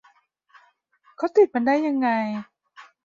เขาติดมันได้ยังไง